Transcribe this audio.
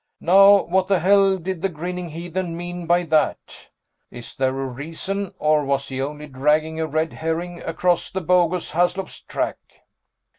Now what the hell did the grinning heathen mean by that? Is there a reason, or was he only dragging a red herring across the bogus Haslop's track?"